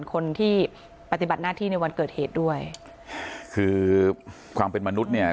คนที่ปฏิบัติหน้าที่ในวันเกิดเหตุด้วยคือความเป็นมนุษย์เนี่ย